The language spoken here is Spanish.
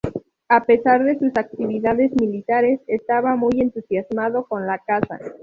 A pesar de sus actividades militares, estaba muy entusiasmado con la caza.